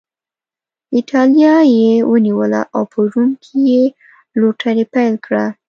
اېټالیا یې ونیوله او په روم کې یې لوټري پیل کړه